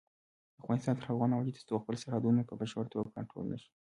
افغانستان تر هغو نه ابادیږي، ترڅو خپل سرحدونه په بشپړه توګه کنټرول نشي.